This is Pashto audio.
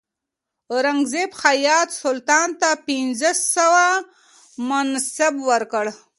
اورنګزیب حیات سلطان ته پنځه سوه منصب ورکړ.